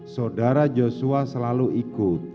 saudara joshua selalu ikut